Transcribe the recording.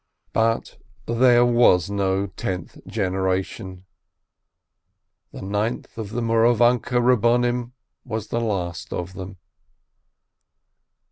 But there was no tenth generation; the ninth of the Mouravanke Rabbonim was the last of them.